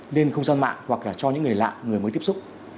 lên không gian mạng hoặc là cho những người lạ người mới tiếp xúc